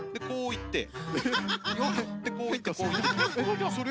こうやって。